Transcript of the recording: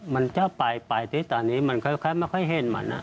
มันจะไปที่ตอนนี้มันค่อยไม่ค่อยเห็นมัน